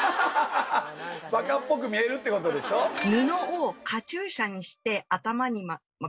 バカっぽく見えるってことでしょおるね